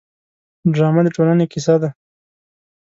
ډرامه د ټولنې کیسه ده